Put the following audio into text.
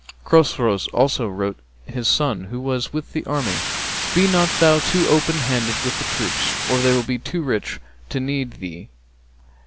Chosroës also wrote his son, who was with the army, 'Be not thou too open handed with thy troops, or they will be too rich to need thee.'